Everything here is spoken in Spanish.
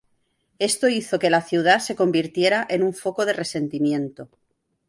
Esto hizo que la ciudad se convirtiera en un foco de resentimiento.